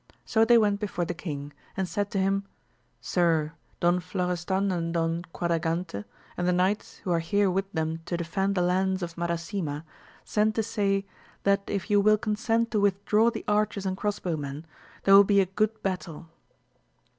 So they went before the king, and said to him. Sir, Don Florestan and Don Quadragante, and the knights who are here with them to defend the lands of Mada sima, send to say, that if you will consent to with draw the archers and cross bow men, there will be a good battle.